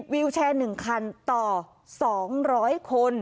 วิวแชร์๑คันต่อ๒๐๐คน